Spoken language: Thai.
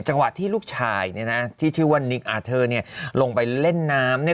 จังหวะที่ลูกชายที่ชื่อว่านิคอาเทอร์ลงไปเล่นน้ำ